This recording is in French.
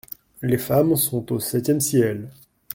Les femmes sont au septième ciel.